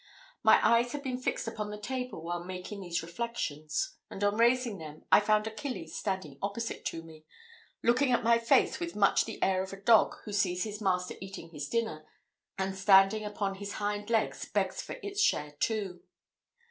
My eyes had been fixed upon the table while making these reflections; and, on raising them, I found Achilles standing opposite to me, looking in my face with much the air of a dog who sees his master eating his dinner, and standing upon its hind legs begs for its share too.